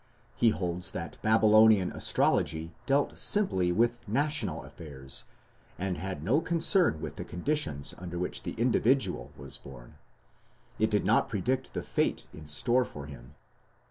He holds that Babylonian astrology dealt simply with national affairs, and had no concern with "the conditions under which the individual was born"; it did not predict "the fate in store for him".